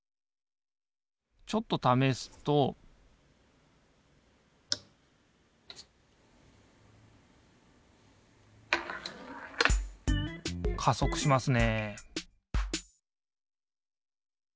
ちょっとためすと加速しますね